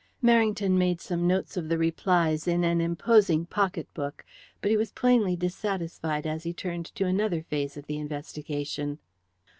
Merrington made some notes of the replies in an imposing pocket book, but he was plainly dissatisfied as he turned to another phase of the investigation.